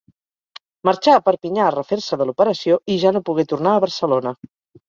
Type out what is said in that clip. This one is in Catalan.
Marxà a Perpinyà a refer-se de l'operació i ja no pogué tornar a Barcelona.